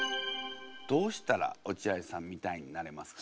どうしたら落合さんみたいになれますか？